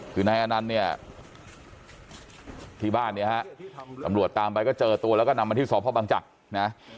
คือนายอนันต์เนี่ยที่บ้านเนี่ยฮะตำรวจตามไปก็เจอตัวแล้วก็นำมาที่สพบังจักรนะ